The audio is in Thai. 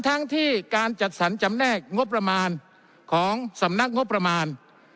ทั้งที่การจัดสรรจำแนกงบประมาณของสำนักงบประมาณ